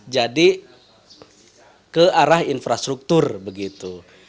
jadi ke arah infrastruktur begitu